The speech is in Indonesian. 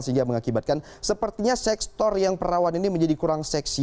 sehingga mengakibatkan sepertinya sektor yang perawan ini menjadi kurang seksi